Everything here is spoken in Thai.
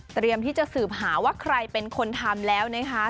เตรียมที่จะสืบหาว่าใครเป็นคนทำแล้วนะคะ